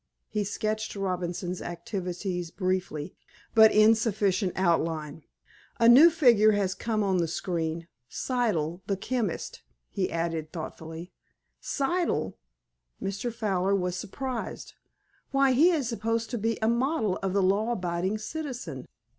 He sketched Robinson's activities briefly, but in sufficient outline. "A new figure has come on the screen—Siddle, the chemist," he added thoughtfully. "Siddle!" Mr. Fowler was surprised. "Why, he is supposed to be a model of the law abiding citizen."